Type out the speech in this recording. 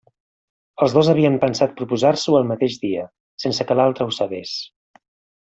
Els dos havien pensat proposar-s'ho el mateix dia, sense que l'altre ho sabés.